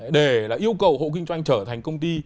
để yêu cầu hộ kinh doanh trở thành công ty